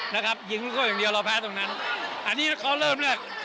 นะครับยิงลูกเขาอย่างเดียวเราแพ้ตรงนั้นอันนี้เขาเริ่มแรก